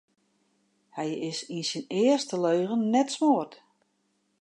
Hy is yn syn earste leagen net smoard.